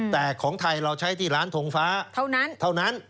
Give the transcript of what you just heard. แต่ของไทยเราใช้ที่ร้านถงฟ้าเท่านั้น